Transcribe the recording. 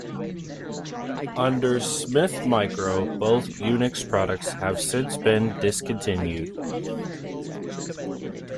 Under Smith Micro, both Unix products have since been discontinued.